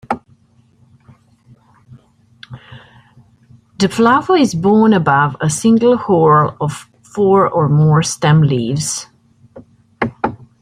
The flower is borne above a single whorl of four or more stem leaves.